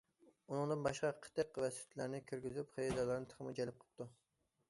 ئۇنىڭدىن باشقا قېتىق ۋە سۈتلەرنى كىرگۈزۈپ، خېرىدارلارنى تېخىمۇ جەلپ قىپتۇ.